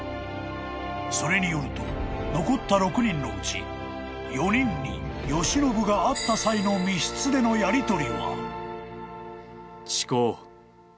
［それによると残った６人のうち４人に慶喜が会った際の密室でのやりとりは］